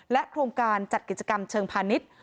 โครงการจัดกิจกรรมเชิงพาณิชย์